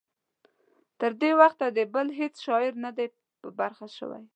تر دې وخته د بل هیڅ شاعر نه دی په برخه شوی.